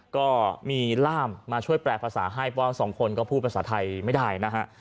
ก็มีล่ามมาช่วยแปลภาษาให้เพราะสองคนก็พูดภาษาไทยไม่ได้นะฮะ